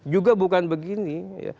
juga bukan begini